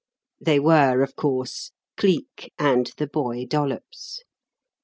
They were, of course, Cleek and the boy Dollops.